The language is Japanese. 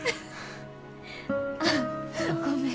ああごめん。